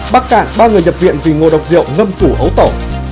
bắc cản ba người nhập viện vì ngô độc rượu ngâm củ ấu tổ